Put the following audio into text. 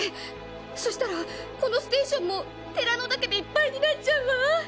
そしたらこのステーションもテラノダケでいっぱいになっちゃうわ。